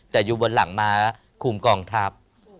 แต่อยู่บนหลังม้าคุมกองทัพ